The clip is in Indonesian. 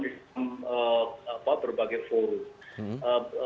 di dalam berbagai forum